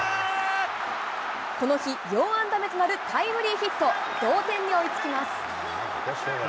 この日、４安打目となるタイムリーヒット、同点に追いつきます。